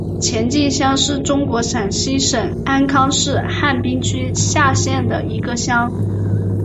前进乡是中国陕西省安康市汉滨区下辖的一个乡。